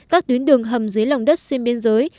các tuyến đường hầm dưới lòng đất xuyên biên giới